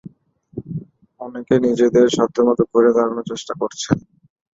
অনেকে নিজেদের সাধ্যমতো ঘুরে দাঁড়ানোর চেষ্টা করছে।